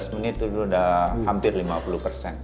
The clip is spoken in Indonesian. lima belas menit itu sudah hampir lima puluh persen